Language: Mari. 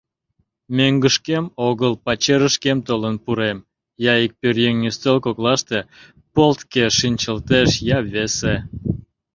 Мӧҥгышкем, огыл, пачерышкем толын пурем — я ик пӧръеҥ ӱстел коклаште полтке шинчылтеш, я весе.